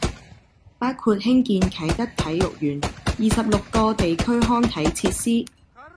包括興建啟德體育園、二十六個地區康體設施